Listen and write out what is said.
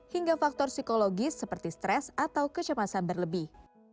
hingga faktor psikologis seperti stres atau kecemasan berlebih